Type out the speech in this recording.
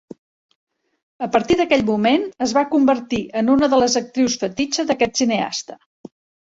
A partir d'aquell moment, es va convertir en una de les actrius fetitxe d'aquest cineasta.